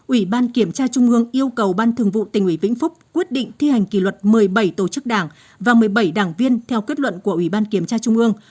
ủy ban kiểm tra trung ương yêu cầu ban thường vụ tỉnh ủy vĩnh phúc quyết định thi hành kỷ luật một mươi bảy tổ chức đảng và một mươi bảy đảng viên theo kết luận của ủy ban kiểm tra trung ương